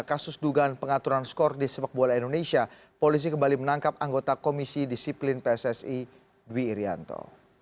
kasus dugaan pengaturan skor di sepak bola indonesia polisi kembali menangkap anggota komisi disiplin pssi dwi irianto